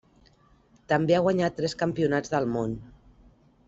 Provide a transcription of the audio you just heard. També ha guanyat tres campionats del món.